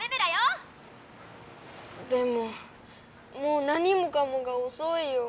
でももう何もかもがおそいよ。